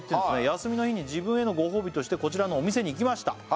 「休みの日に自分へのご褒美としてこちらのお店に行きました」